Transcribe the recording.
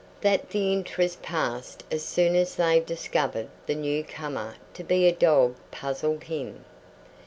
That the interest passed as soon as they discovered the new comer to be a dog puzzled him.